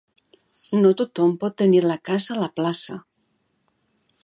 No tothom pot tenir la casa a la plaça.